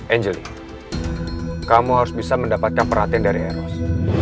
angeli kamu harus bisa mendapatkan perhatian dari eros